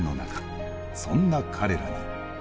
そんな彼らに。